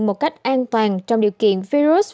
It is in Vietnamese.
một cách an toàn trong điều kiện virus